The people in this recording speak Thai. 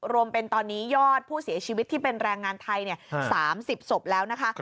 รวมเป็นตอนนี้ยอดผู้เสียชีวิตที่เป็นแรงงานไทย๓๐ศพแล้วนะคะ